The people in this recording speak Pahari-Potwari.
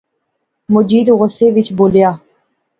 مجید غصے وچ بولیا